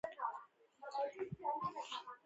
او ددوي پۀ مرسته ئې